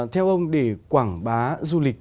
theo ông để quảng bá du lịch